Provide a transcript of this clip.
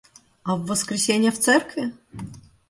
А в воскресенье в церкви?